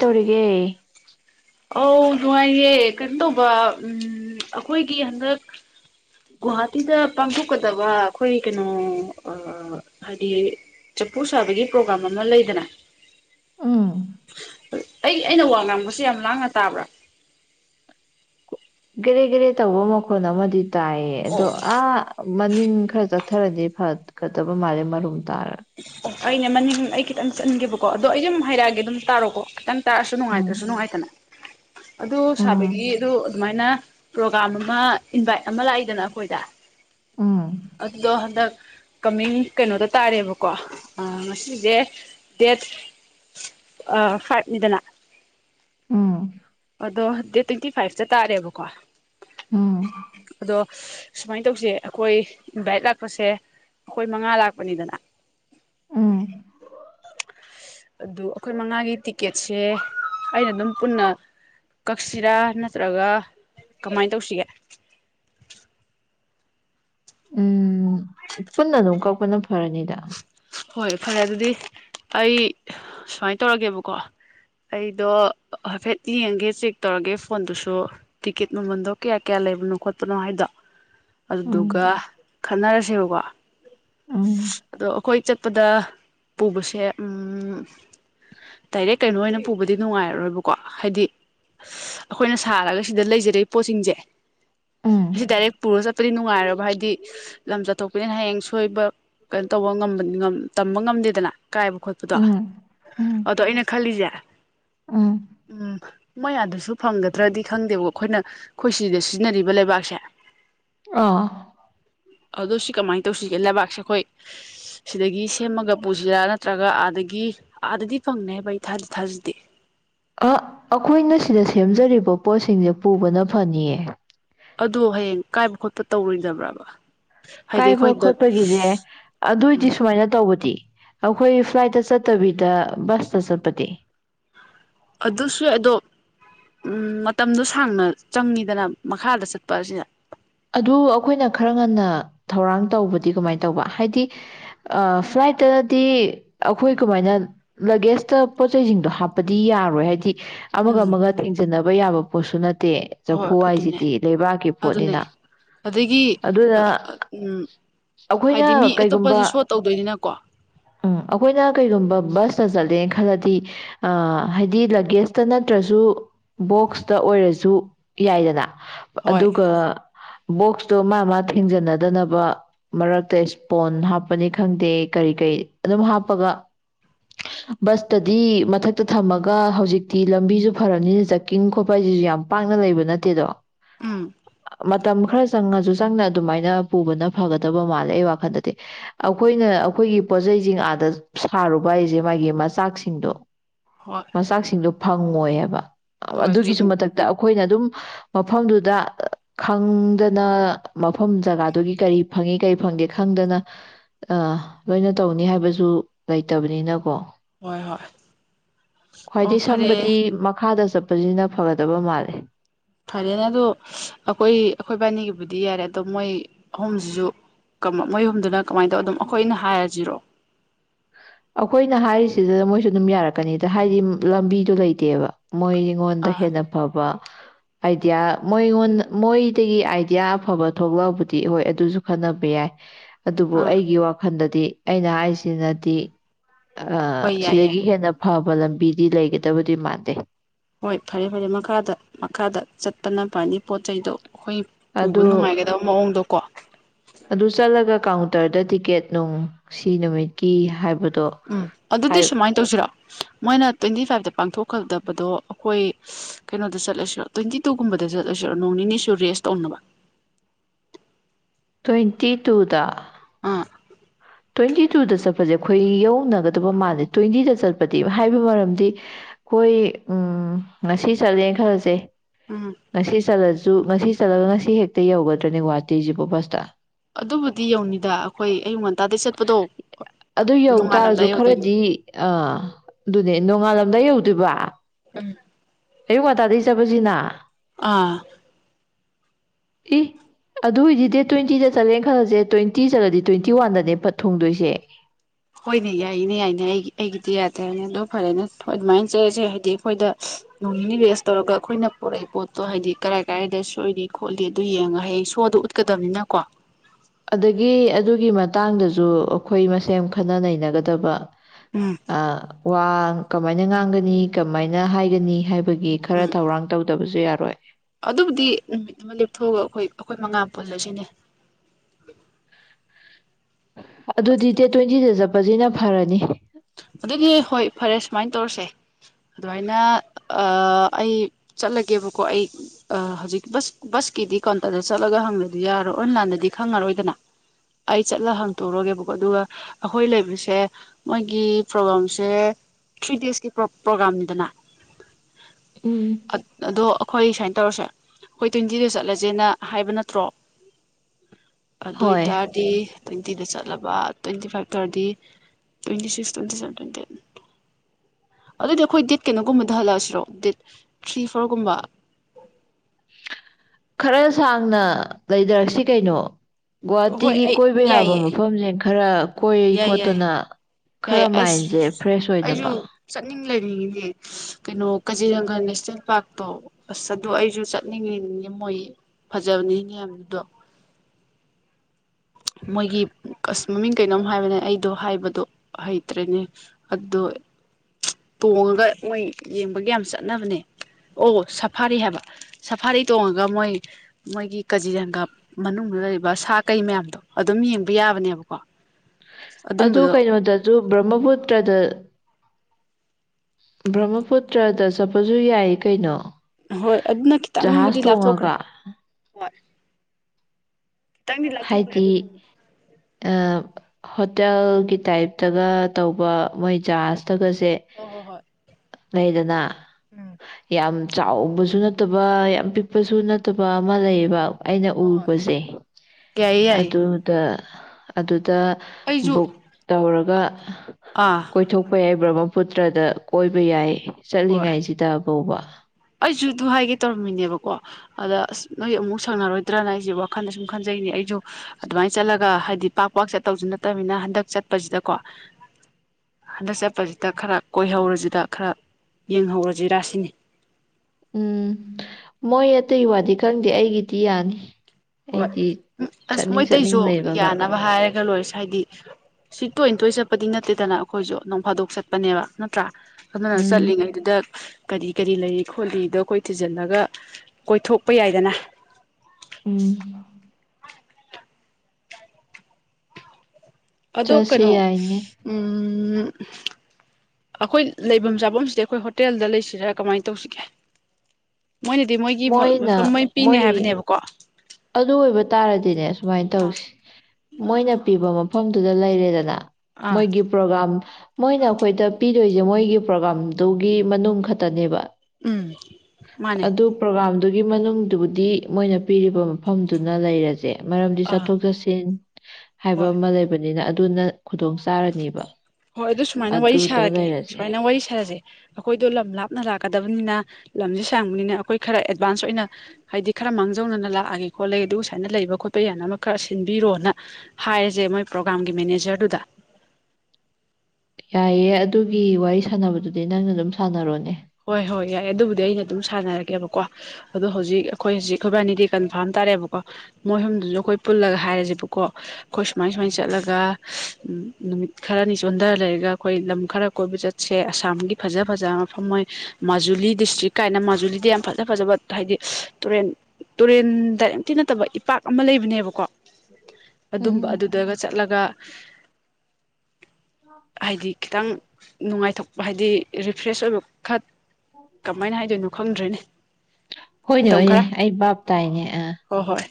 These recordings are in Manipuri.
ꯇꯧꯔꯤꯒꯦ ꯑꯧ ꯅꯨꯡꯉꯥꯏꯌꯦ ꯀꯩꯅꯣ ꯇꯧꯕ ꯎꯝ ꯑꯩꯈꯣꯏꯒꯤ ꯍꯟꯗꯛ ꯒꯨꯍꯥꯇꯤꯗ ꯄꯥꯡꯊꯣꯛꯀꯗꯕ ꯑꯩꯈꯣꯏ ꯀꯩꯅꯣ ꯍꯥꯏꯗꯤ ꯆꯐꯨ ꯁꯥꯕꯒꯤ ꯄ꯭ꯔꯣꯒ꯭ꯔꯥꯝ ꯑꯃ ꯂꯩꯗꯅ ꯎꯝ ꯑꯩ ꯑꯩꯅ ꯋꯥ ꯉꯥꯡꯕ ꯁꯤ ꯌꯥꯝ ꯂꯥꯡꯉ ꯇꯥꯕ꯭ꯔꯥ ꯒꯦꯔꯦ ꯒꯦꯔꯦ ꯇꯧꯕ ꯃꯈꯣꯟ ꯑꯃꯗꯤ ꯇꯥꯏꯌꯦ ꯑꯗꯣ ꯑꯣ ꯑ ꯃꯅꯤꯡ ꯈꯔ ꯆꯠꯊꯔꯅꯤ ꯐꯀꯇꯕ ꯃꯥꯜꯂꯦ ꯃꯔꯨꯝ ꯇꯔꯦ ꯑꯣ ꯑꯩꯅ ꯃꯅꯤꯡ ꯑꯩ ꯈꯤꯇꯪ ꯆꯠꯒꯦꯕꯀꯣ ꯑꯗꯣ ꯑꯩ ꯑꯗꯨꯝ ꯍꯥꯏꯔꯛꯑꯒꯦ ꯑꯗꯨꯝ ꯇꯥꯔꯣꯀꯣ ꯈꯤꯇꯪ ꯇꯥꯔꯁꯨ ꯅꯨꯡꯉꯥꯏꯇ꯭ꯔꯁꯨ ꯎꯝ ꯅꯨꯡꯉꯥꯏꯇꯅ ꯑꯗꯨ ꯁꯥꯕꯒꯤ ꯎꯝ ꯑꯗꯨ ꯑꯗꯨꯃꯥꯏꯅ ꯄ꯭ꯔꯣꯒꯥ꯭ꯝ ꯑꯃ ꯏꯟꯚꯥꯏꯠ ꯑꯃ ꯂꯥꯛꯏꯗꯅ ꯑꯩꯈꯣꯏꯗ ꯎꯝ ꯑꯗꯨꯗꯣ ꯍꯟꯗꯛ ꯀꯃꯤꯡ ꯀꯩꯅꯣꯗ ꯇꯥꯔꯦꯕ ꯀꯣ ꯉꯁꯤꯁꯦ ꯗꯦꯠ ꯐꯥꯏꯚꯅꯤꯗꯅ ꯎꯝ ꯑꯗꯣ ꯗꯦꯠ ꯇ꯭ꯋꯦꯟꯇꯤ ꯐꯥꯏꯚꯇ ꯇꯥꯔꯦꯕꯀꯣ ꯎꯝ ꯑꯗꯣ ꯁꯨꯃꯥꯏꯅ ꯇꯧꯁꯦ ꯑꯩꯈꯣꯏ ꯏꯟꯚꯥꯏꯠ ꯂꯥꯛꯄꯁꯦ ꯑꯩꯈꯣꯏ ꯃꯉꯥ ꯂꯥꯛꯄꯅꯤꯗꯅ ꯎꯝ [inaudible] ꯑꯗꯨ ꯑꯩꯈꯣꯏ ꯃꯉꯥꯒꯤ ꯇꯤꯛꯀꯦꯠꯁꯦ ꯑꯩꯅ ꯑꯗꯨꯝ ꯄꯨꯟꯅ ꯀꯛꯁꯤꯔꯥ ꯅꯠꯇ꯭ꯔꯒ ꯀꯃꯥꯏꯅ ꯇꯧꯁꯤꯒꯦ ꯎꯝ ꯄꯨꯟꯅ ꯑꯗꯨꯝ ꯀꯛꯄꯅ ꯐꯔꯅꯤꯗ ꯍꯣꯏ ꯐꯔꯦ ꯑꯗꯨꯗꯤ ꯑꯩ ꯁꯨꯃꯥꯏꯅ ꯇꯧꯔꯒꯦꯕꯀꯣ ꯑꯩꯗꯣ ꯍꯥꯏꯐꯦꯠ ꯌꯦꯡꯒꯦ ꯆꯦꯛ ꯇꯧꯔꯒꯦ ꯐꯣꯟꯗꯨꯁꯨ ꯇꯤꯛꯀꯦꯠ ꯃꯃꯟꯗꯣ ꯀꯌꯥ ꯀꯌꯥ ꯂꯩꯕꯅꯣ ꯈꯣꯠꯄꯅꯣ ꯍꯥꯏꯗꯣ ꯎꯝ ꯑꯗꯨꯗꯨꯒ ꯈꯟꯅꯔꯁꯦꯕꯀꯣ ꯎꯝ ꯑꯗꯣ ꯑꯩꯈꯣꯏ ꯆꯠꯄꯗ ꯄꯨꯕꯁꯦ ꯗꯥꯏꯔꯦꯛ ꯀꯩꯅꯣ ꯑꯣꯏꯅ ꯄꯨꯕꯗꯤ ꯅꯨꯡꯉꯥꯏꯔꯔꯣꯏꯕꯀꯣ ꯍꯥꯏꯗꯤ ꯑꯩꯈꯣꯏꯅ ꯁꯥꯔꯒ ꯁꯤꯗ ꯂꯩꯖꯔꯛꯏ ꯄꯣꯠꯁꯤꯡꯁꯦ ꯑꯁꯤ ꯎꯝ ꯗꯥꯏꯔꯦꯛ ꯄꯨꯔꯒ ꯆꯠꯄꯗꯤ ꯅꯨꯡꯉꯥꯏꯔꯣꯏꯕ ꯍꯥꯏꯗꯤ ꯂꯝ ꯆꯠꯊꯣꯛꯄꯁꯤꯅ ꯍꯌꯦꯡ ꯁꯣꯏꯕ ꯀꯩꯅꯣ ꯇꯧꯕ ꯉꯝꯕ ꯇꯝꯕ ꯉꯝꯗꯦꯗꯅ ꯀꯥꯏꯕ ꯈꯣꯠꯄꯗꯣ ꯎꯝ ꯎꯝ ꯑꯗꯣ ꯑꯩꯅ ꯈꯜꯂꯤꯁꯦ ꯎꯝ ꯎꯝ ꯃꯣꯏ ꯑꯗꯨꯁꯨ ꯐꯪꯒꯗ꯭ꯔꯗꯤ ꯈꯪꯗꯦꯕꯀꯣ ꯑꯩꯈꯣꯏꯅ ꯑꯩꯈꯣꯏ ꯁꯤꯗ ꯁꯤꯖꯤꯟꯅꯔꯤꯕ ꯂꯩꯕꯥꯛꯁꯦ ꯑ ꯑꯣ ꯁꯤ ꯀꯃꯥꯏꯅ ꯇꯧꯁꯤꯒꯦ ꯂꯩꯕꯥꯛꯁꯦ ꯑꯩꯈꯣꯏ ꯁꯤꯗꯒꯤ ꯁꯦꯝꯃꯒ ꯄꯨꯁꯤꯔꯥ ꯅꯠꯇ꯭ꯔꯒ ꯑꯥꯗꯒꯤ ꯑꯥꯗꯗꯤ ꯐꯪꯅꯤ ꯍꯥꯏꯕ ꯑꯩ ꯊꯥꯖꯤ ꯊꯥꯖꯤꯗꯦ ꯑ ꯑꯩꯈꯣꯏꯅ ꯁꯤꯗ ꯁꯦꯝꯖꯔꯤꯕ ꯄꯣꯠꯁꯤꯡꯁꯦ ꯄꯨꯕꯅ ꯐꯅꯤꯌꯦ ꯑꯗꯣ ꯍꯌꯦꯡ ꯀꯥꯏꯕ ꯈꯣꯠꯄ ꯇꯧꯔꯣꯏꯗꯕ꯭ꯔꯕ ꯍꯥꯏꯗꯤ ꯀꯥꯏꯕ ꯑꯩꯈꯣꯏꯗ ꯈꯣꯠꯄꯒꯤꯁꯦ ꯑꯗꯨꯏꯗꯤ ꯁꯨꯃꯥꯏꯅ ꯇꯧꯕꯗꯤ ꯑꯩꯈꯣꯏ ꯐ꯭ꯂꯥꯏꯠꯇ ꯆꯠꯇꯕꯤꯗ ꯕꯁꯇ ꯆꯠꯄꯗꯤ ꯑꯗꯨꯁꯨ ꯑꯗꯣ ꯃꯇꯝꯗꯣ ꯁꯥꯡꯅ ꯆꯪꯉꯤꯗꯅ ꯃꯈꯥꯗ ꯆꯠꯄ ꯑꯁꯤꯗ ꯑꯗꯨ ꯑꯩꯈꯣꯏꯅ ꯈꯔ ꯉꯟꯅ ꯊꯧꯔꯥꯡ ꯇꯧꯕꯗꯤ ꯀꯃꯥꯏꯅ ꯇꯧꯕ ꯍꯥꯏꯗꯤ ꯐ꯭ꯂꯥꯏꯠꯇꯗꯤ ꯑꯩꯈꯣꯏ ꯀꯃꯥꯏꯅ ꯂꯒꯦꯖꯇ ꯄꯣꯠꯁꯤꯡꯗꯣ ꯍꯥꯞꯄꯗꯤ ꯌꯥꯔꯣꯏ ꯍꯥꯏꯗꯤ ꯑꯃꯒ ꯎꯝ ꯑꯃꯒ ꯊꯦꯡꯖꯤꯟꯅꯕ ꯌꯥꯕ [unintelligible] ꯇꯦ ꯍꯣꯏ ꯆꯐꯨ ꯑꯗꯨꯅꯦ ꯍꯥꯏꯁꯤꯗꯤ ꯂꯩꯕꯥꯛꯀꯤ ꯑꯗꯨꯅꯦ ꯄꯣꯠꯅꯤꯅ ꯑꯗꯒꯤ ꯑꯗꯨꯅ ꯎꯝ ꯑꯩꯈꯣꯏꯅ ꯍꯥꯏꯗꯤ ꯃꯤ ꯀꯩꯒꯨꯝꯕ ꯑꯇꯣꯞꯄꯁꯨ ꯁꯣ ꯇꯧꯗꯣꯏꯅꯤꯅꯀꯣ ꯎꯝ ꯑꯩꯈꯣꯏꯅ ꯀꯩꯒꯨꯝꯕ ꯕꯁ ꯕꯁꯇ ꯆꯠꯂꯦꯅ ꯈꯜꯂꯗꯤ ꯑ ꯍꯥꯏꯗꯤ ꯂꯒꯦꯖꯇ ꯅꯠꯇ꯭ꯔꯁꯨ ꯕꯣꯛꯁꯇ ꯑꯣꯏꯔꯁꯨ ꯌꯥꯏꯗꯅ ꯍꯣꯏ ꯑꯗꯨꯒ ꯕꯣꯛꯁꯇꯣ ꯃꯥ ꯃꯥ ꯊꯦꯡꯖꯟꯅꯗꯅꯕ ꯃꯔꯛꯇ ꯏꯁꯄꯣꯟ ꯍꯥꯞꯄꯅꯤ ꯈꯪꯗꯦ ꯀꯔꯤ ꯀꯔꯤ ꯑꯗꯨꯝ ꯍꯥꯞꯄꯒ ꯕꯁꯇꯗꯤ ꯃꯊꯛꯇ ꯊꯝꯃꯒ ꯍꯧꯖꯤꯛꯇꯤ ꯂꯝꯕꯤꯁꯨ ꯐꯔꯅꯤꯅ ꯆꯥꯛꯀꯤꯡ ꯈꯣꯠꯄ ꯍꯥꯏꯁꯤꯁꯨ ꯌꯥꯝ ꯄꯥꯛꯅ ꯂꯩꯕ ꯅꯠꯇꯦꯗꯣ ꯑꯥ ꯃꯇꯝ ꯈꯔ ꯆꯪꯉꯁꯨ ꯆꯪꯅ ꯑꯗꯨꯃꯥꯏꯅ ꯄꯨꯕꯅ ꯐꯒꯗꯕ ꯃꯥꯜꯂꯦ ꯑꯩ ꯋꯥꯈꯜꯗꯗꯤ ꯑꯩꯈꯣꯏꯅ ꯑꯩꯈꯣꯏꯒꯤ ꯄꯣꯠꯆꯩꯁꯤꯡ ꯑꯥꯗ ꯁꯥꯔꯨꯕ ꯍꯥꯏꯁꯦ ꯃꯥꯒꯤ ꯃꯆꯥꯛꯁꯤꯡꯗꯣ ꯍꯣꯏ ꯃꯆꯥꯛꯁꯤꯡꯗꯣ ꯐꯪꯉꯣꯏꯑꯕ ꯍꯣꯏ ꯑꯗꯨꯒꯤꯁꯨ ꯆꯨꯝꯃꯤ ꯃꯊꯛꯇ ꯑꯗꯨꯗꯤ ꯑꯩꯈꯣꯏꯅ ꯑꯗꯨꯝ ꯃꯐꯝꯗꯨꯗ ꯈꯪꯗꯅ ꯃꯐꯝ ꯖꯒꯥꯗꯨꯒꯤ ꯀꯔꯤ ꯐꯪꯉꯤ ꯀꯔꯤ ꯐꯪꯗꯦ ꯈꯪꯗꯅ ꯑ ꯂꯣꯏꯅ ꯇꯧꯅꯤ ꯍꯥꯏꯕꯁꯨ ꯂꯩꯇꯕꯅꯤꯅꯀꯣ ꯍꯣꯏ ꯍꯣꯏ ꯑꯣ ꯈ꯭ꯋꯥꯏꯗꯩ ꯁꯝꯕꯗꯤ ꯐꯔꯦ ꯃꯈꯥꯗ ꯆꯠ ꯁꯤꯅ ꯐꯒꯗꯕ ꯃꯥꯜꯂꯦ ꯐꯔꯦꯅꯦ ꯑꯗꯣ ꯑꯩꯈꯣꯏ ꯑꯩꯈꯣꯏ ꯏꯕꯥꯅꯤꯒꯤꯕꯨꯗꯤ ꯌꯥꯔꯦ ꯑꯗꯣ ꯃꯣꯏ ꯑꯍꯨꯝꯁꯤꯁꯨ ꯃꯣꯏ ꯑꯍꯨꯝꯗꯨꯅ ꯀꯃꯥꯏꯅ ꯇꯧ ꯑꯗꯨꯝ ꯑꯩꯈꯣꯏꯅ ꯍꯥꯏꯔꯁꯤꯔꯣ ꯑꯩꯈꯣꯏꯅ ꯍꯥꯏꯔꯤꯁꯤꯗ ꯃꯣꯏꯁꯨ ꯑꯗꯨꯝ ꯌꯥꯔꯛꯀꯅꯤꯗ ꯍꯥꯏꯗꯤ ꯂꯝꯕꯤꯗꯣ ꯂꯩꯇꯦꯕ ꯃꯣꯏ ꯑꯩꯉꯣꯟꯗ ꯑꯥ ꯍꯦꯟꯅ ꯐꯕ ꯑꯥꯏꯗꯤꯌꯥ ꯃꯣꯏꯉꯣꯟ ꯃꯣꯏꯗꯒꯤ ꯑꯥꯏꯗꯤꯌꯥ ꯑꯐꯕ ꯊꯣꯛꯂꯛꯕꯨꯗꯤ ꯍꯣꯏ ꯑꯗꯨꯁꯨ ꯈꯟꯅꯕ ꯌꯥꯏ ꯑꯗꯨꯕꯨ ꯑꯥ ꯑꯩꯒꯤ ꯋꯥꯈꯜꯗꯗꯤ ꯑꯩꯅ ꯍꯥꯏꯁꯤꯅꯗꯤ ꯑ ꯍꯣꯏ ꯌꯥꯏ ꯌꯥꯏ ꯁꯤꯗꯒꯤ ꯍꯦꯟꯅ ꯐꯕ ꯑ ꯂꯝꯕꯤꯗꯤ ꯂꯩꯒꯗꯕꯗꯤ ꯃꯥꯟꯗꯦ ꯍꯣꯏ ꯐꯔꯦ ꯐꯔꯦ ꯃꯈꯥꯗ ꯃꯈꯥꯗ ꯆꯠꯄꯅ ꯐꯅꯤ ꯄꯣꯠ ꯆꯩꯗꯣ ꯑꯩꯈꯣꯏ ꯄꯨꯕ ꯑꯗꯨ ꯅꯨꯡꯉꯥꯏꯒꯗꯕ ꯃꯑꯣꯡꯗꯣꯀꯣ ꯑꯗꯨ ꯆꯠꯂꯒ ꯀꯥꯎꯟꯇꯔꯗ ꯇꯤꯀꯦꯠ ꯅꯨꯡ ꯁꯤ ꯅꯨꯃꯤꯠꯀꯤ ꯍꯥꯏꯕ ꯎꯝ ꯑꯗꯨꯗꯤ ꯁꯨꯃꯥꯏꯅ ꯇꯧꯁꯤꯔꯣ ꯃꯣꯏꯅ ꯇ꯭ꯋꯦꯟꯇꯤ ꯐꯥꯏꯚꯇ ꯄꯥꯡꯊꯣꯛ ꯀꯗꯄꯗꯣ ꯑꯩꯈꯣꯏ ꯀꯩꯅꯣꯗ ꯆꯠꯂꯁꯤꯔꯣ ꯇ꯭ꯋꯦꯟꯇꯤ ꯇꯨꯒꯨꯝꯕꯗ ꯆꯠꯂꯁꯤꯔꯣ ꯅꯣꯡ ꯅꯤꯅꯤꯁꯨ ꯔꯦꯁ ꯇꯧꯅꯕ ꯇ꯭ꯋꯦꯟꯇꯤ ꯇꯨꯗ ꯑꯥ ꯇ꯭ꯋꯦꯟꯇꯤ ꯇꯨꯗ ꯆꯠꯄꯁꯦ ꯑꯩꯈꯣꯏ ꯌꯧꯅꯒꯗꯕ ꯃꯥꯜꯂꯦ ꯇ꯭ꯋꯦꯟꯇꯤꯗ ꯆꯠꯄꯗꯤ ꯍꯥꯏꯕ ꯃꯔꯝꯗꯤ ꯑꯩꯈꯣꯏ ꯉꯁꯤ ꯆꯠꯂꯦꯅ ꯈꯜꯂꯁꯦ ꯎꯝ ꯉꯁꯤ ꯆꯠꯂꯁꯨ ꯉꯁꯤ ꯆꯠꯂꯒ ꯉꯁꯤ ꯍꯦꯛꯇ ꯌꯧꯒꯗ꯭ꯔꯅꯦ ꯒꯨꯋꯥꯍꯥꯇꯤꯁꯤꯕꯣ ꯕꯁꯇ ꯑꯗꯨꯕꯨꯗꯤ ꯌꯧꯅꯤꯗ ꯑꯩꯈꯣꯏ ꯑꯌꯨꯛ ꯉꯟꯅ ꯑꯗꯨ ꯌꯧꯇꯥꯥꯔꯁꯨ ꯅꯣꯡꯉꯥꯜꯂꯝꯗꯥꯏ ꯌꯧꯗꯣꯏꯅꯦ ꯈꯔꯗꯤ ꯑ ꯑꯗꯨ ꯑ ꯅꯣꯡꯉꯥꯜꯂꯝꯗꯥꯏ ꯌꯧꯗꯣꯏꯕ ꯎꯝ ꯑꯌꯨꯛ ꯉꯟꯇꯥꯗꯒꯤ ꯆꯠꯄꯁꯤꯅ ꯑꯥ ꯏ ꯑꯗꯨ ꯑꯣꯏꯗꯤ ꯗꯦꯠ ꯇ꯭ꯋꯦꯟꯇꯤꯗ ꯆꯠꯂꯦꯅ ꯈꯜꯂꯁꯦ ꯇ꯭ꯋꯦꯟꯇꯤ ꯆꯠꯂꯗꯤ ꯇ꯭ꯋꯦꯟꯇꯤ ꯋꯥꯟꯗꯅꯦ ꯊꯨꯡꯗꯣꯏꯁꯦ ꯍꯣꯏꯅꯦ ꯌꯥꯏꯅꯦ ꯌꯥꯏꯅꯦ ꯑꯩꯒꯤ ꯑꯩꯒꯤꯗꯤ ꯌꯥꯗꯦ ꯍꯥꯏꯅꯦ ꯑꯗꯣ ꯐꯔꯦꯅꯦ ꯑꯗꯨꯃꯥꯏꯅ ꯆꯠꯂꯁꯦ ꯍꯥꯏꯗꯤ ꯑꯩꯈꯣꯏꯗ ꯅꯣꯡꯅꯤꯅꯤ ꯔꯦꯁ ꯇꯧꯔꯒ ꯑꯩꯈꯣꯏꯅ ꯄꯣꯔꯛꯏ ꯄꯣꯠꯇꯣ ꯍꯥꯏꯗꯤ ꯀꯔꯥꯏ ꯀꯔꯥꯏꯗ ꯁꯣꯏꯔꯤ ꯈꯣꯠꯂꯤ ꯑꯗꯨ ꯌꯦꯡꯉꯒ ꯍꯌꯦꯡ ꯁꯣꯗꯣ ꯎꯠꯀꯗꯕꯅꯤꯅꯀꯣ꯫ ꯑꯗꯒꯤ ꯑꯗꯨꯒꯤ ꯃꯇꯥꯡꯗꯁꯨ ꯑꯩꯈꯣꯏ ꯃꯁꯦꯟ ꯈꯟꯅ ꯅꯩꯅꯒꯗꯕ ꯎꯝ ꯑ ꯋꯥ ꯀꯃꯥꯏꯅ ꯉꯥꯡꯒꯅꯤ ꯀꯃꯥꯏꯅ ꯍꯥꯏꯒꯅꯤ ꯍꯥꯏ ꯑꯩꯈꯣꯏꯒꯤ ꯈꯔ ꯎꯝ ꯊꯧꯔꯥꯡ ꯇꯧꯗꯕꯁꯨ ꯌꯥꯔꯣꯏ ꯑꯗꯨꯕꯨꯗꯤ ꯅꯨꯃꯤꯠ ꯑꯃ ꯂꯦꯞꯊꯣꯛꯑꯒ ꯑꯩꯈꯣꯏ ꯑꯩꯈꯣꯏ ꯃꯉꯥ ꯄꯨꯜꯂꯁꯤꯅꯦ ꯑꯗꯨꯗꯤ ꯗꯦꯠ ꯇ꯭ꯋꯦꯟꯇꯤꯗ ꯆꯠꯄꯁꯤꯅ ꯐꯔꯅꯤ ꯑꯗꯨꯗꯤ ꯍꯣꯏ ꯐꯔꯦ ꯁꯨꯃꯥꯏꯅ ꯇꯧꯔꯁꯦ ꯑꯗꯨꯃꯥꯏꯅ ꯑꯩ ꯆꯠꯂꯒꯦꯕꯀꯣ ꯑꯩ ꯍꯧꯖꯤꯛ ꯕꯁ ꯕꯁꯀꯤꯗꯤ ꯀꯥꯎꯟꯇꯔꯗ ꯆꯠꯂꯒ ꯍꯪꯉꯗꯤ ꯌꯥꯔꯣꯏ ꯑꯣꯟꯂꯥꯏꯟꯗꯗꯤ ꯈꯪꯉꯔꯣꯏꯗꯅ ꯑꯩ ꯆꯠꯂ ꯍꯪꯇꯣꯛꯎꯔꯒꯦꯕꯀꯣ ꯑꯗꯨꯒ ꯑꯩꯈꯣꯏ ꯂꯩꯕꯁꯦ ꯃꯣꯏꯒꯤ ꯄ꯭ꯔꯣꯒꯥꯝꯁꯦ ꯊ꯭ꯔꯤ ꯗꯦꯖꯀꯤ ꯄ꯭ꯔꯣꯒꯥꯝꯅꯤꯗꯅ ꯎꯝ ꯑ ꯑꯗꯣ ꯑꯩꯣꯏ ꯁꯨꯃꯥꯏꯅ ꯇꯧꯔꯁꯦ ꯑꯩꯈꯣꯏ ꯇ꯭ꯋꯦꯟꯇꯤꯗ ꯆꯠꯂꯁꯦꯅ ꯍꯥꯏꯕ ꯅꯠꯇ꯭ꯔꯣ ꯑꯗꯨ ꯍꯣꯏ ꯑꯣꯏꯇꯥꯔꯗꯤ ꯇ꯭ꯋꯦꯟꯇꯤꯗ ꯆꯠꯂꯕ ꯇ꯭ꯋꯦꯟꯇꯤ ꯐꯥꯏꯚ ꯇꯥꯔꯗꯤ twenty six twenty seven twenty eight ꯑꯗꯨꯑꯣꯏꯗꯤ ꯑꯩꯈꯣꯏ ꯗꯦꯠ ꯀꯩꯅꯣꯒꯨꯝꯕꯗ ꯍꯜꯂꯛꯑꯁꯤꯔꯣ ꯗꯦꯠ ꯊ꯭ꯔꯤ ꯐꯣꯔꯒꯨꯝꯕ ꯈꯔ ꯁꯥꯡꯅ ꯂꯩꯊꯔꯛꯁꯤ ꯀꯩꯅꯣ ꯍꯣꯏ ꯒꯨꯋꯥꯍꯥꯇꯤꯒꯤ ꯑꯩ ꯀꯣꯏꯕ ꯌꯥꯕ ꯌꯥꯏꯌꯦ ꯃꯐꯝꯁꯦ ꯈꯔ ꯀꯣꯏ ꯌꯥꯏ ꯌꯥꯏ ꯈꯣꯠꯇꯅ ꯌꯥꯏ ꯈꯔ ꯃꯥꯏꯟꯁꯦ ꯐ꯭ꯔꯦꯁ ꯑꯣꯏꯅꯕ ꯂꯩꯅꯤꯡꯉꯤꯅꯦ ꯀꯩꯅꯣ ꯀꯖꯤꯔꯪꯒ ꯅꯦꯁꯅꯦꯜ ꯄꯥꯔꯛꯇꯣ ꯑꯁ ꯑꯗꯨ ꯑꯩꯁꯨ ꯆꯠꯅꯤꯡꯉꯤꯅꯦ ꯃꯣꯏ ꯐꯖꯕꯅꯤꯅꯦ ꯑꯗꯨꯗꯣ ꯃꯣꯏꯒꯤ ꯃꯃꯤꯡ ꯀꯩꯅꯣꯝ ꯍꯥꯏꯕꯅꯦ ꯑꯩꯗꯣ ꯍꯥꯏꯕꯗꯣ ꯍꯩꯇ꯭ꯔꯦꯅꯦ ꯑꯗꯨꯣ ꯇꯣꯡꯉꯒ ꯃꯣꯏ ꯌꯦꯡꯕꯒꯤ ꯌꯥꯝ ꯆꯠꯅꯕꯅꯦ ꯑꯣ ꯁꯐꯥꯔꯤ ꯍꯥꯏꯕ ꯁꯐꯥꯔꯤ ꯇꯣꯡꯉꯒ ꯃꯣꯏ ꯃꯣꯏꯒꯤ ꯀꯖꯤꯔꯪꯒ ꯃꯅꯨꯡꯗ ꯂꯩꯔꯤꯕ ꯁꯥ ꯀꯩ ꯃꯌꯥꯝꯗꯣ ꯑꯗꯨꯝ ꯌꯦꯡꯕ ꯌꯥꯕꯅꯦꯕꯀꯣ ꯑꯗꯨ ꯑꯗꯨꯝꯕꯗꯣ ꯀꯩꯅꯣꯗꯁꯨ ꯕ꯭ꯔꯃꯄꯨꯇ꯭ꯔꯗ ꯕ꯭ꯔꯃꯄꯨꯇ꯭ꯔꯗ ꯆꯠꯄꯁꯨ ꯌꯥꯏ ꯀꯩꯅꯣ ꯍꯣꯏ ꯑꯗꯨꯅ ꯖꯍꯥꯖ ꯈꯤꯇꯪꯕꯨꯗꯤ ꯂꯥꯞꯊꯣꯛꯈ꯭ꯔꯦ ꯇꯣꯡꯉꯒ ꯍꯣꯏ ꯈꯤꯇꯪꯗꯤ ꯂꯥꯞꯊꯣꯛꯈ꯭ꯔꯦ ꯍꯥꯏꯗꯤ ꯑꯗꯨꯅ ꯑ ꯍꯣꯇꯦꯜꯒꯤ ꯇꯥꯏꯞꯇꯒ ꯇꯧꯕ ꯃꯣꯏ ꯖꯍꯥꯖ ꯇꯒꯁꯦ ꯍꯣꯏ ꯍꯣꯏ ꯍꯣꯏ ꯂꯩꯗꯅ ꯌꯥꯝ ꯆꯥꯎꯕꯁꯨ ꯅꯠꯇꯕ ꯌꯥꯝ ꯄꯤꯛꯄꯁꯨ ꯅꯠꯇꯕ ꯑꯃ ꯂꯩꯌꯦꯕ ꯑꯩꯅ ꯍꯣꯏ ꯍꯣꯏ ꯎꯕꯁꯦ ꯌꯥꯏꯌꯦ ꯌꯥꯏꯌꯦ ꯑꯗꯨꯗ ꯑꯗꯨ ꯇ ꯑꯩꯁꯨ ꯕꯨꯛ ꯇꯧꯔ ꯕ ꯑꯥ ꯀꯣꯏ ꯊꯣꯛꯣꯛꯄ ꯌꯥꯏ ꯕ꯭ꯔ ꯐꯨꯇ꯭ꯔꯗ ꯀꯣꯏꯕ ꯌꯥꯏ ꯍꯣꯏ ꯆꯠꯂꯤꯉꯩꯁꯤꯗ ꯍꯧꯕ ꯑꯩꯁꯨ ꯑꯗꯨ ꯍꯥꯏꯒꯦ ꯇꯧꯔꯝꯃꯤꯅꯦꯕꯀꯣ ꯑꯗ ꯑꯁ ꯅꯣꯏ ꯑꯃꯨꯛ ꯁꯪꯅꯔꯣꯏꯗ꯭ꯔꯥꯅ ꯑꯩꯁꯦ ꯋꯥꯈꯜꯗ ꯁꯨꯝ ꯈꯟꯖꯩꯅꯦ ꯑꯩꯁꯨ ꯑꯗꯨꯃꯥꯏꯅ ꯆꯠꯂꯒ ꯍꯥꯏ ꯗꯤ ꯄꯥꯛ ꯄꯥꯛ ꯆꯠꯇꯧꯁꯨ ꯅꯠꯇꯕꯅꯤꯅ ꯍꯟꯗꯛ ꯆꯠꯄꯁꯤꯗꯀꯣ ꯍꯟꯗꯛ ꯆꯠꯄꯁꯤꯗ ꯈꯔ ꯀꯣꯏꯍꯧꯔꯁꯤꯗ ꯈꯔ ꯌꯦꯡꯍꯧꯔꯁꯤꯔꯥꯁꯤꯅꯤ ꯎꯝ ꯃꯣꯏ ꯑꯇꯩ ꯋꯥꯗꯤ ꯈꯪꯗꯦ ꯑꯩꯒꯤꯗꯤ ꯌꯥꯅꯤ ꯍꯣꯏ ꯑꯩꯗꯤ ꯎꯝ ꯑꯁ ꯆꯠꯅꯤꯡ ꯆꯠꯅꯤꯡ ꯃꯣꯏꯇꯩꯁꯨ ꯂꯩꯕꯒ ꯌꯥꯅꯕ ꯍꯥꯏꯔꯒ ꯂꯣꯏꯔꯦꯁꯦ ꯍꯥꯏꯗꯤ ꯁꯤ ꯇꯣꯏꯅ ꯇꯣꯏꯅ ꯆꯠꯄꯗꯤ ꯅꯠꯇꯦꯗꯅ ꯑꯩꯈꯣꯏꯁꯨ ꯅꯣꯡ ꯐꯥꯗꯣꯛ ꯆꯠꯄꯅꯦꯕ ꯅꯠꯇ꯭ꯔꯥ ꯑꯗꯨꯅ ꯎꯝ ꯆꯠꯂꯤꯉꯩꯗꯨꯗ ꯀꯔꯤ ꯀꯔꯤ ꯂꯩ ꯈꯣꯂꯤꯗꯣ ꯑꯩꯈꯣꯏ ꯊꯤꯖꯤꯜꯂꯒ ꯀꯣꯏꯊꯣꯛꯄ ꯌꯥꯏꯗꯅ ꯎꯝ ꯑꯗꯣ ꯀꯩꯅꯣ ꯆꯠꯁꯤ ꯌꯥꯏꯅꯦ ꯎꯝ ꯎꯝ ꯑꯩꯈꯣꯏ ꯂꯩꯐꯝ ꯆꯥꯐꯝꯁꯤꯗꯤ ꯑꯩꯈꯣꯏ ꯍꯣꯇꯦꯜꯗ ꯂꯩꯁꯤꯔꯥ ꯀꯃꯥꯏ ꯇꯧꯁꯤꯒꯦ ꯃꯣꯏꯅꯗꯤ ꯃꯣꯏꯒꯤ ꯃꯐꯝ ꯃꯣꯏ ꯄꯤꯅꯦ ꯍꯥꯏꯕꯅꯦꯕꯀꯣ ꯑꯗꯨ ꯑꯣꯏꯕ ꯇꯥꯔꯗꯤꯅꯦ ꯁꯨꯃꯥꯏꯅ ꯑꯥ ꯇꯧꯁꯤ ꯃꯣꯏꯅ ꯄꯤꯕ ꯃ ꯐꯝꯗꯨꯗ ꯂꯩꯔꯦꯗꯅ ꯑꯥ ꯃꯣꯏꯒꯤ ꯄ꯭ꯔꯣꯒꯥꯝ ꯃꯣꯏꯅ ꯑꯩꯈꯣꯏꯗ ꯄꯤ ꯗꯣꯏꯁꯦ ꯃꯣꯏꯒꯤ ꯄ꯭ꯔꯣꯒꯥꯝꯗꯨꯒꯤ ꯃꯅꯨꯡ ꯈꯛꯇꯅꯦꯕ ꯎꯝ ꯃꯥꯅꯦ ꯗꯨꯒꯤ ꯃꯅꯨꯡꯗꯨꯕꯨꯗꯤ ꯃꯣꯏꯅ ꯄꯤꯔꯤꯕ ꯐꯝꯗꯨꯅ ꯂꯩꯔꯁꯦ ꯃꯔꯝꯗꯤ ꯑꯥ ꯆꯠꯊꯣꯛ ꯆꯠꯁꯤꯟ ꯍꯣꯏ ꯍꯥꯏꯕ ꯑꯃ ꯂꯩꯕꯅꯤꯅ ꯑꯗꯨꯅ ꯈꯨꯗꯣꯡ ꯆꯥꯔꯅꯦꯕ ꯍꯣꯏ ꯑꯗꯨ ꯁꯨꯃꯥꯏꯅ ꯋꯥꯔꯤ ꯁꯥꯔꯒꯦ ꯁꯨꯃꯥꯏꯅ ꯋꯥꯔꯤ ꯁꯥꯔꯁꯦ ꯑꯩꯈꯣꯏꯗꯣ ꯂꯝ ꯂꯥꯞꯅ ꯂꯥꯛꯀꯗꯕꯅꯤꯅ ꯂꯝꯁꯦ ꯁꯥꯡꯕꯅꯤꯅ ꯑꯩꯈꯣꯏ ꯈꯔ ꯑꯦꯗꯚꯥꯟꯁ ꯑꯣꯏꯅ ꯍꯥꯏꯕꯗꯤ ꯈꯔ ꯃꯥꯡꯖꯧꯅꯅ ꯂꯥꯛꯑꯒꯦ ꯈꯣꯠꯂꯒꯦ ꯑꯗꯨꯒ ꯁꯨꯃꯥꯏꯅ ꯂꯩꯕ ꯈꯣꯠꯄ ꯌꯥ ꯑꯃ ꯈꯔ ꯁꯤꯟꯕꯤꯔꯣꯅ ꯍꯥꯏꯔꯁꯦ ꯃꯣꯏ ꯄ꯭ꯔꯣꯒꯥꯥꯝꯒꯤ ꯃꯦꯅꯦꯖꯔꯗꯨꯗ ꯌꯥꯥꯏꯌꯦ ꯑꯗꯨꯒꯤ ꯋꯥꯔꯤ ꯁꯥꯟꯅꯕꯗꯨꯗꯤ ꯅꯪꯅ ꯑꯗꯨꯝ ꯁꯥꯟꯅꯔꯣꯅꯦ ꯍꯣꯏ ꯍꯣꯏ ꯌꯥꯏ ꯑꯗꯨꯕꯨꯗꯤ ꯑꯩꯅ ꯑꯗꯨꯝ ꯁꯥꯟꯅꯔꯒꯦꯕꯀꯣ ꯑꯗꯣ ꯍꯧꯖꯤꯛ ꯑꯩꯈꯣꯏ ꯍꯧꯖꯤꯛ ꯑꯩꯈꯣꯏꯕꯥꯅꯤꯗꯤ ꯀꯟꯐꯥꯝ ꯇꯥꯔꯦꯕꯀꯣ ꯃꯣꯏ ꯍꯨꯝꯗꯨꯁꯨ ꯑꯩꯈꯣꯏ ꯄꯨꯜꯂꯒ ꯍꯥꯏꯔꯁꯦꯕꯀꯣ ꯑꯩꯈꯣꯏ ꯁꯨꯃꯥꯏ ꯁꯨꯃꯥꯏꯅ ꯆꯠꯂꯒ ꯅꯨꯃꯤꯠ ꯈꯔꯅꯤ ꯆꯣꯟꯊꯔ ꯂꯩꯔꯒ ꯑꯩꯈꯣꯏ ꯂꯝ ꯈꯔ ꯀꯣꯏꯕ ꯆꯠꯁꯦ ꯑꯁꯥꯝꯒꯤ ꯐꯖ ꯐꯖꯕ ꯃꯐꯝꯣꯏ ꯃꯥꯖꯨꯂꯤ ꯗꯤꯁꯇ꯭ꯔꯤꯛ ꯀꯥꯏꯅ ꯃꯥꯖꯨꯂꯤꯗ ꯌꯥꯝ ꯐꯖ ꯐꯖꯕ ꯍꯥꯏꯗꯤ ꯇꯨꯔꯦꯟ ꯇꯨꯔꯦꯟ ꯗꯥꯏꯔꯇꯤ ꯅꯠꯇꯕ ꯏꯄꯥꯛ ꯑꯃ ꯂꯩꯕꯅꯦꯕꯀꯣ ꯑꯗꯨꯝꯕ ꯎꯝ ꯑꯗꯨꯗꯒ ꯆꯠꯂꯒ ꯍꯥꯏꯗꯤ ꯈꯤꯇꯪ ꯅꯨꯡꯉꯥꯏꯊꯣꯛꯄ ꯍꯥꯏꯗꯤ ꯔꯤꯐ꯭ꯔꯦꯁ ꯑꯣꯏꯕ ꯈꯠ ꯀꯃꯥꯏꯅ ꯍꯥꯏꯗꯣꯏꯅꯣ ꯈꯪꯗ꯭ꯔꯦꯅꯦ ꯍꯣꯏꯅꯦ ꯃꯇꯝ ꯍꯣꯏꯅꯦ ꯈꯔ ꯑꯩ ꯚꯥꯞ ꯇꯥꯏꯅꯦ ꯑ ꯍꯣꯏ ꯍꯣꯏ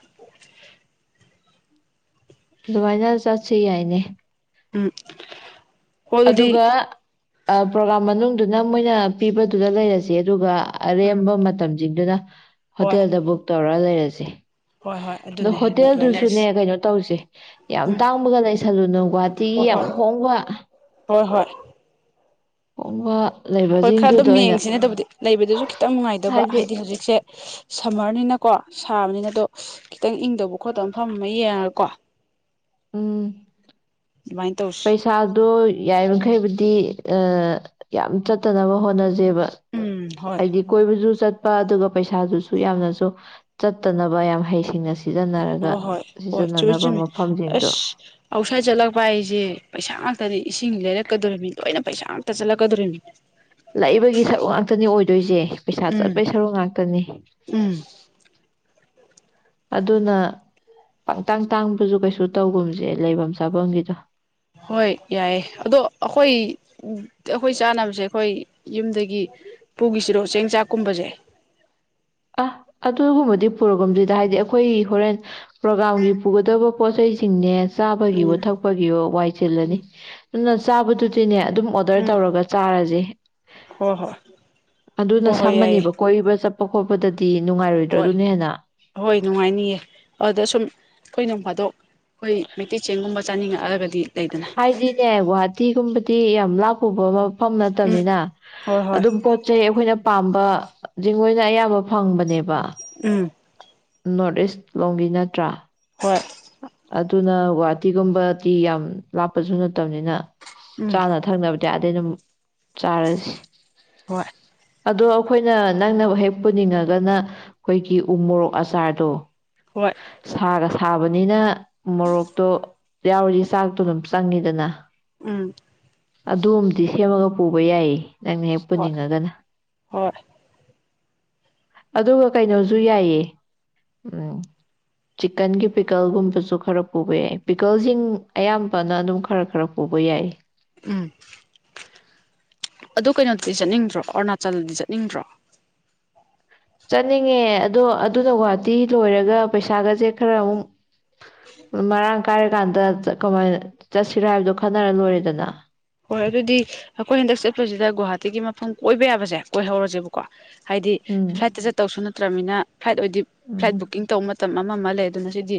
ꯑꯗꯨꯃꯥꯏ ꯅ ꯆ ꯁꯤ ꯌꯥꯏꯅꯦ ꯎꯝ ꯍꯣ ꯑꯗꯨꯗꯤ ꯑꯗꯨꯒ ꯄ꯭ꯔꯣꯒꯥꯝ ꯃꯅꯨꯡ ꯑꯗꯨꯅ ꯃꯣꯏꯅ ꯄꯤꯕꯗꯨꯗ ꯂꯩꯔꯁꯦ ꯑꯗꯨꯒ ꯑꯔꯦꯝꯕ ꯃꯇꯝ ꯖꯤꯡ ꯗꯨꯅ ꯍꯣꯏ ꯍꯣꯇꯦꯜꯗ ꯕꯨꯛ ꯇꯧꯔ ꯂꯩꯔꯁꯦ ꯁꯦ ꯍꯣꯏ ꯍꯣꯏ ꯑꯗꯣ ꯑꯗꯨꯅꯦ ꯑꯗꯨꯃꯥꯏꯅ ꯍꯣꯇꯦꯜꯗꯨꯁꯨꯅꯦ ꯀꯩꯅꯣ ꯇꯧꯁꯦ ꯌꯥꯝ ꯇꯥꯡꯕꯒ ꯂꯩꯁꯦ ꯆꯂꯨꯅꯣ ꯒꯨꯍꯥꯇꯤꯒꯤ ꯍꯣꯏ ꯌꯥꯝ ꯍꯣꯏ ꯍꯣꯡꯕ ꯍꯣꯏ ꯍꯣꯏ ꯑꯣꯝꯕ ꯍꯣꯏ ꯈꯔ ꯑꯗꯨꯝ ꯌꯦꯡꯁꯤꯅꯦ ꯑꯗꯨꯕꯨꯗꯤ ꯂꯩꯕꯗꯨꯁꯨ ꯈꯤꯇꯪ ꯅꯨꯡꯉꯥꯏꯇꯕ ꯍꯥꯏꯗꯤ ꯍꯧꯖꯤꯛꯁꯦ ꯁꯝꯃ꯭ꯔꯅꯤꯅ ꯀꯣ ꯁꯥꯕꯅꯤꯅ ꯑꯗꯣ ꯈꯤꯇꯪ ꯏꯪꯗꯧꯕ ꯈꯣꯠꯇꯕ ꯃꯐꯝ ꯑꯃ ꯌꯦꯡꯉꯒꯀꯣ ꯎꯝ ꯑꯗꯨꯃꯥꯏꯅ ꯇꯧꯁꯤ ꯄꯩꯁꯥꯗꯨ ꯌꯥꯔꯤꯃꯈꯩ ꯗꯤ ꯌꯥꯝ ꯆꯠꯇꯅꯕ ꯍꯣꯠꯅ ꯖꯦꯕꯥ ꯕ ꯎꯝ ꯍꯣꯏ ꯍꯥꯏꯗꯤ ꯀꯣꯏꯕꯨꯁꯨ ꯆꯠ ꯆꯠꯄ ꯑꯗꯨꯒ ꯄꯩꯁꯥꯗꯨꯁꯨ ꯌꯥꯝꯅꯁꯨ ꯆꯠꯇꯅꯕ ꯌꯥꯝ ꯍꯩꯁꯤꯡꯅꯁꯤ ꯍꯣꯏ ꯍꯣꯏ ꯍꯣꯏ ꯆꯨꯝ ꯆꯨꯝꯃꯤ ꯃꯐꯝꯁꯤꯡꯗꯣ ꯑꯁ ꯑꯥꯎꯠꯁꯥꯏꯠ ꯆꯠꯂꯛꯄ ꯑꯩꯁꯦ ꯄꯩꯁꯥ ꯉꯥꯛꯇꯅꯤ ꯏꯁꯤꯡ ꯂꯩꯔꯛꯀꯗꯣꯔꯤꯕꯅꯤ ꯂꯣꯏꯅ ꯄꯩꯁꯥ ꯑꯝꯇ ꯆꯠꯂꯛꯀꯗꯣꯔꯤꯕꯅꯤ ꯨꯏꯖꯦ ꯄꯩꯁꯥ ꯎꯝ ꯆꯠꯄꯩ ꯁꯔꯨꯛ ꯉꯥꯛꯇꯅꯤ ꯎꯝ ꯑꯗꯨꯅ ꯄꯪꯇꯥꯡ ꯇꯥꯡꯕꯁꯨ ꯀꯩꯁꯨ ꯇꯧꯒꯨꯝꯁꯦ ꯂꯩꯐꯝ ꯆꯥꯐꯝꯒꯤꯗꯣ ꯍꯣꯏ ꯌꯥꯏꯌꯦ ꯑꯗꯣ ꯑꯩꯈꯣꯏ ꯑꯩꯈꯣꯏ ꯆꯥꯅꯕꯁꯦ ꯑꯩꯈꯣꯏ ꯌꯨꯝꯗꯒꯤ ꯄꯨꯈꯤꯁꯤꯔꯣ ꯆꯦꯡ ꯆꯥꯛꯀꯨꯝꯕꯁꯦ ꯑ ꯑꯗꯨꯒꯨꯝꯕꯗꯤ ꯄꯨꯔꯣꯒꯝꯁꯤꯗ ꯍꯥꯏꯗꯤ ꯑꯩꯈꯣꯏ ꯍꯣꯔꯦꯟ ꯄ꯭ꯔꯣꯒꯥꯝꯒꯤ ꯄꯨꯒꯗꯕ ꯄꯣꯠꯆꯩꯁꯤꯡꯅꯦ ꯆꯥꯕꯒꯤꯋꯣ ꯎꯝ ꯊꯛꯄꯒꯤꯋ ꯋꯥꯏ ꯆꯤꯜꯂꯅꯤ ꯑꯗꯨꯅ ꯆꯥꯕꯗꯨꯗꯤꯅꯦ ꯑꯗꯨꯝ ꯑꯣꯗꯔ ꯎꯝ ꯇꯧꯔꯒ ꯆꯥꯔꯁꯦ ꯍꯣꯏ ꯍꯣꯏ ꯑꯗꯨꯅ ꯍꯣꯏ ꯍꯣꯏ ꯌꯥꯏꯌꯦ ꯁꯝꯃꯅꯦꯕ ꯀꯣꯏꯔꯤꯕ ꯆꯠꯄ ꯈꯣꯠꯄꯗ ꯍꯣꯏ ꯍꯣꯏ ꯅꯨꯡꯉꯥꯏꯅꯤꯌꯦ ꯑꯗꯨꯗ ꯁꯨꯝ ꯑꯩꯈꯣꯏ ꯅꯣꯡ ꯐꯥꯗꯣꯛ ꯑꯩꯈꯣꯏ ꯃꯩꯇꯩ ꯆꯦꯡꯒꯨꯝꯕ ꯆꯥꯅꯤꯡꯉꯛꯑꯒꯗꯤ ꯂꯩꯗꯅ ꯍꯥꯏꯗꯤꯅꯦ ꯒꯨꯋꯥ ꯇꯤꯒꯨꯝꯕꯗꯤ ꯌꯥꯝ ꯂꯥꯞꯄꯕ ꯑꯃ ꯃꯐꯝ ꯎꯝ ꯅꯠꯇꯕꯅꯤꯅ ꯍꯣꯏ ꯍꯣꯏ ꯑꯗꯨꯝ ꯄꯣꯠ ꯆꯩ ꯑꯩꯈꯣꯏꯅ ꯄꯥꯝꯕꯗꯤ ꯃꯣꯏꯅ ꯑꯌꯥꯝꯕ ꯐꯪꯕꯅꯦꯕ ꯎꯝ ꯅꯣꯔꯠ ꯏꯁ ꯂꯣꯝꯒꯤ ꯅꯠꯇ꯭ꯔꯥ ꯍ ꯑꯗꯨꯅ ꯒꯨꯍꯥꯇꯤꯒꯨꯝꯕꯗꯤ ꯌꯥꯝ ꯂꯥꯞꯄꯁꯨ ꯅꯠꯇꯕꯅꯤꯅ ꯎꯝ ꯆꯥꯅ ꯊꯛꯅꯕ ꯗꯩ ꯑꯗꯨꯝ ꯆꯥꯔꯁꯤ ꯍꯣꯏ ꯑꯗꯣ ꯑꯩꯈꯣꯏꯅ ꯅꯪꯅ ꯍꯦꯛ ꯄꯨꯅꯤꯡꯉꯒꯅ ꯑꯩꯈꯣꯏꯒꯤ ꯎ ꯃꯣꯔꯣꯛ ꯑꯆꯥꯔꯗꯣ ꯍꯣꯏ ꯁꯥꯒ ꯊꯥꯕ ꯅꯤꯅ ꯃꯣꯔꯣꯛꯇꯣ ꯌꯥꯎꯔꯤ ꯆꯥꯛꯇꯣ ꯑꯗꯨꯝ ꯆꯪꯉꯤꯗꯅ ꯎꯝ ꯑꯗꯨꯝꯗꯤ ꯁꯦꯝꯃꯒ ꯄꯨꯕ ꯌꯥꯏꯌꯦ ꯅꯪꯅ ꯍꯦꯛ ꯍꯣꯏ ꯄꯨꯅꯤꯡꯉꯒꯅ ꯍꯣꯏ ꯑꯗꯨꯒ ꯀꯩꯅꯣꯁꯨ ꯌꯥꯏꯌꯦ ꯎꯝ ꯆꯤꯛꯀꯟꯒꯤ ꯄꯤꯀꯜꯒꯨꯝꯕꯁꯨ ꯈꯔ ꯄꯨꯕ ꯌꯥꯏ ꯄꯤꯀꯜꯁꯤꯡ ꯑꯌꯥꯝꯕꯅ ꯑꯗꯨꯝ ꯈꯔ ꯈꯔ ꯄꯨꯕ ꯌꯥꯏ ꯎꯝ ꯑꯗꯨ ꯀꯩꯅꯣꯗꯗꯤ ꯆꯠꯅꯤꯡꯗ꯭ꯔꯣ ꯑꯔꯨꯅꯥꯆꯜꯗꯗꯤ ꯆꯠꯅꯤꯡꯗ꯭ꯔꯣ ꯆꯠꯅꯤꯡꯉꯦ ꯑꯗꯣ ꯑꯗꯨꯅ ꯒꯨꯍꯥꯇꯤ ꯂꯣꯏꯔꯒ ꯄꯩꯁꯥꯒꯁꯦ ꯈꯔ ꯑꯃꯨꯛ ꯃꯔꯥꯡ ꯀꯥꯏꯔꯀꯥꯟꯗ ꯀꯃꯥꯏꯅ ꯆꯠꯁꯤꯔꯥ ꯍꯥꯏꯕꯗꯣ ꯈꯟꯅꯔ ꯂꯣꯏꯔꯦꯗꯅ ꯍꯣꯏ ꯑꯗꯨꯗꯤ ꯑꯩꯈꯣꯏ ꯍꯟꯗꯛ ꯆꯠꯄꯁꯤꯗ ꯒꯨꯍꯥꯇꯤꯒꯤ ꯃꯐꯝ ꯑꯣꯏꯕ ꯌꯥꯕꯁꯦ ꯀꯣꯏꯍꯧꯔꯁꯦꯕꯀꯣ ꯍꯥꯏꯗꯤ ꯎꯝ ꯐ꯭ꯂꯥꯏꯠꯇ ꯆꯠꯇꯧꯁꯨ ꯅꯠꯇ꯭ꯔꯕꯅꯤꯅ ꯐ꯭ꯂꯥꯏꯠ ꯑꯣꯏꯗꯤ ꯐ꯭ꯂꯥꯏꯠ ꯎꯝ ꯕꯨꯛꯀꯤꯡ ꯇꯧ [unintelligible] ꯑꯃ ꯑꯃ ꯂꯩ ꯑꯗꯨꯅ ꯁꯤꯗꯤ